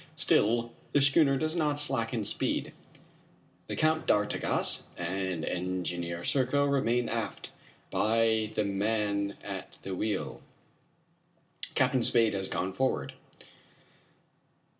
Still, the schooner does not slacken speed. The Count d'Artigas and Engineer Serko remain aft, by the man at the wheel. Captain Spade has gone forward.